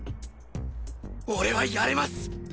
俺はやります